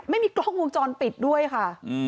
ไม่มีกล้องวงจรปิดด้วยค่ะ